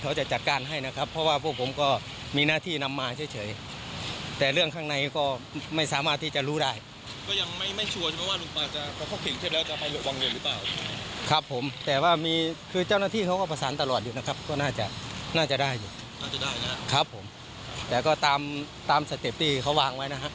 ครับผมและก็ตามสเต็ปที่เขาวางไว้นะครับ